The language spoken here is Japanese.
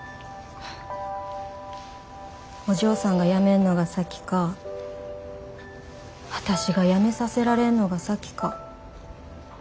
お嬢さんが辞めんのが先か私が辞めさせられんのが先か。